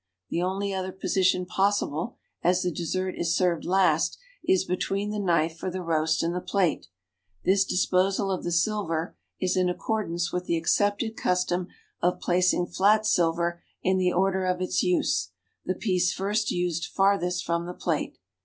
The only other position possible, as the dessert is served last, is l)etween the knife for the roast and the plate. This disposal of the silver is in accordance with the accepted custom of placing flat siher in the order of its use, the piece first used farthest from the plate.